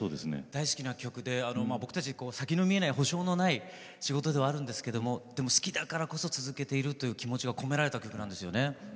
大好きな曲で僕たち先の見えない補償のない仕事なんですけど好きだから続けたいという込められた曲なんですよね。